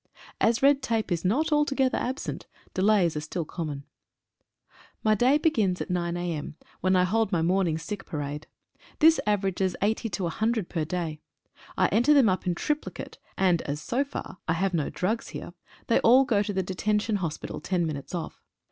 As red tape is not altogether absent, delays are still common. /My day begins at 9 a.m., when I hold my morning sick parade — this averages 80 to 100 per day. I enter them up in triplicate, and as so far, I have no drugs here, they all go to the Detention Hospital ten minutes off.